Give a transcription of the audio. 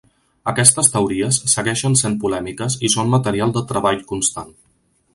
Aquestes teories segueixen sent polèmiques i són material de treball constant.